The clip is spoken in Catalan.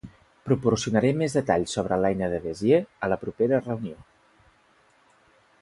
Proporcionaré més detalls sobre l'eina de Bézier a la propera reunió.